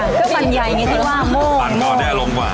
เครื่องปั่นใหญ่อย่างงี้ที่ว่าม่วงม่วงปั่นก่อนได้ลงกว่า